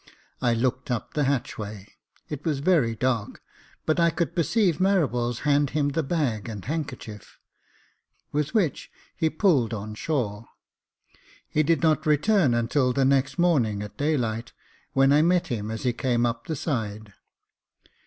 I looked up the hatchway ; it was very dark, but I could perceive Marables hand him the bag and handkerchief, with which he pulled on shore. He did not return until the next morning at daylight, when I met him as he came up the side.